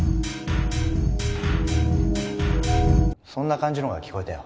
そんな感じのが聞こえたよ